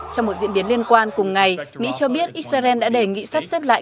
trong một diễn biến liên quan cùng ngày mỹ cho biết israel đã đề nghị sắp xếp lại